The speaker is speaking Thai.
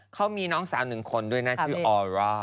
เขามีน้องสาวหนึ่งคนด้วยนะชื่อออร่า